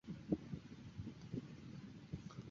母亲是林慕兰。